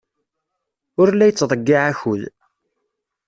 Ur la yettḍeyyiɛ akud.